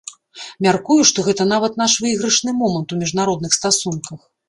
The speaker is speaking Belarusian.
Мяркую, што гэта нават наш выйгрышны момант у міжнародных стасунках.